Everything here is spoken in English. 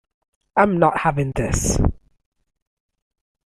I'm not having this.